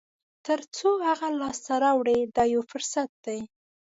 تر څو هغه لاسته راوړئ دا یو فرصت دی.